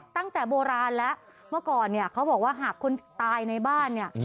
ตั้งแต่โบราณแล้วเมื่อก่อนเนี่ยเขาบอกว่าหากคนตายในบ้านเนี่ย